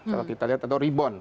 kalau kita lihat ada rebound